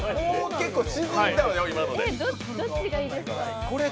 結構沈んじゃうよ、今ので。